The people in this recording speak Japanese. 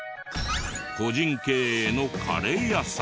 個人経営のカレー屋さん。